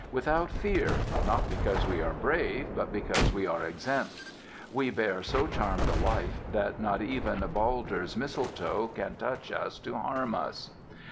Without fear: not because we are brave, but because we are exempt; we bear so charmed a life that not even Baldur's mistletoe can touch us to harm us.